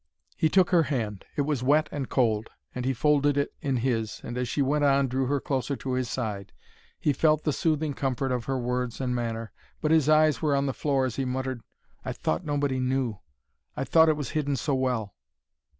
He took her hand. It was wet and cold, and he folded it in his, and as she went on drew her closer to his side. He felt the soothing comfort of her words and manner, but his eyes were on the floor as he muttered, "I thought nobody knew; I thought it was hidden so well!"